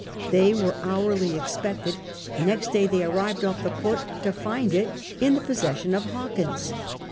They were hourly expected, and next day they arrived off the port to find it in the possession of Hawkins.